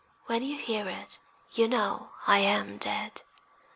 When you hear it, you know I am dead.